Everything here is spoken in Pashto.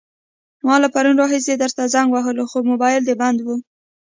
ما له پرون راهيسې درته زنګ وهلو، خو موبايل دې بند وو.